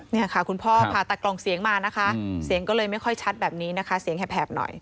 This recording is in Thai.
นี่ค่ะคุณพ่อผ่าตัดกล่องเสียงมานะคะเสียงก็เลยไม่ค่อยชัดแบบนี้นะคะเสียงแหบหน่อย